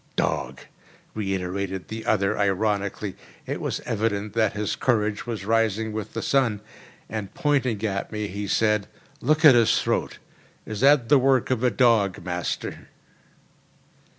"Dog!" reiterated the other ironically. It was evident that his courage was rising with the sun; and, pointing to me, he said, "Look at his throat. Is that the work of a dog, master?"